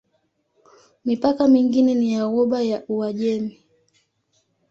Mipaka mingine ni ya Ghuba ya Uajemi.